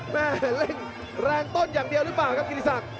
แม่เร่งแรงต้นอย่างเดียวหรือเปล่าครับกิติศักดิ